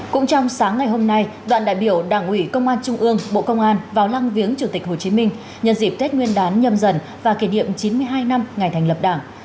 cũng trong sáng ngày hôm nay đoàn đại biểu đảng ủy công an trung ương bộ công an vào lăng viếng chủ tịch hồ chí minh nhân dịp tết nguyên đán nhâm dần và kỷ niệm chín mươi hai năm ngày thành lập đảng